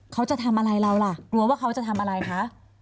เขาจะทำอะไรเราล่ะกลัวว่าเขาจะทำอะไรคะ